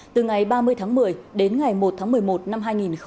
từ ngày ba mươi tháng một mươi đến ngày một tháng một mươi một năm hai nghìn hai mươi